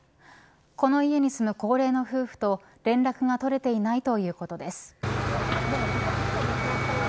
この家に住む高齢の夫婦と連絡が取れていないということです。